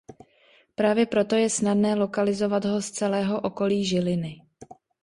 Právě proto je snadné lokalizovat ho z celého okolí Žiliny.